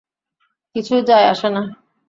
কিছুই যায় আসে না।